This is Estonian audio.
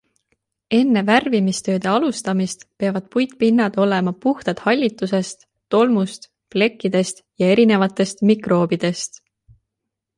Enne värvimistööde alustamist peavad puitpinnad olema puhtad hallitusest, tolmust, plekkidest ja erinevatest mikroobidest.